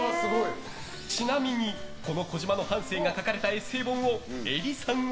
ちなみにこの児嶋の半生が書かれたエッセー本を愛里さんは。